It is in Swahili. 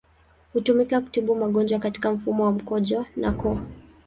Hutumika kutibu magonjwa katika mfumo wa mkojo na koo.